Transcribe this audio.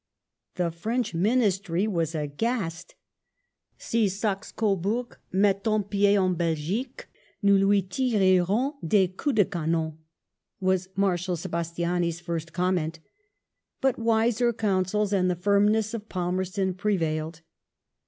The French Ministry was aghast. " Si Saxe Coburg met un pied en Belgique, nous lui tirerons des coups de canon," was Marshal Sebastiani's fii st comment. But wiser counsels and the firmness of Palmerston prevailed.